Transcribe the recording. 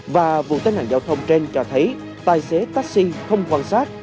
và vụ tai nạn giao thông trên cho thấy tài xế taxi không quan sát